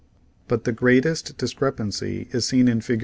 But the greatest discrepancy is seen in Figs.